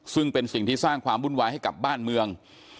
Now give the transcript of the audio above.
ซึ่งเป็นสิ่งที่สร้างความวุ่นวายให้กับบ้านเมือง